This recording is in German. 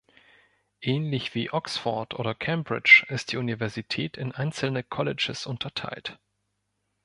Ähnlich wie Oxford oder Cambridge ist die Universität in einzelne Colleges unterteilt.